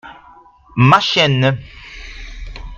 Ma chienne.